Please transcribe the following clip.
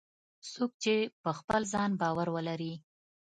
څوک چې په خپل ځان باور ولري